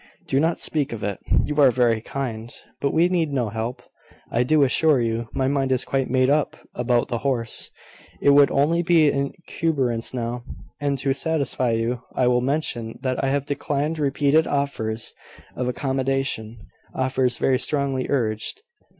"Do not speak of it. You are very kind; but we need no help, I do assure you. My mind is quite made up about the horse. It would only be an incumbrance now. And, to satisfy you, I will mention that I have declined repeated offers of accommodation offers very strongly urged.